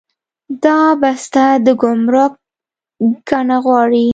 دا بسته د ګمرک ګڼه غواړي.